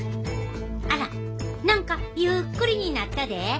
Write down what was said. あら何かゆっくりになったで！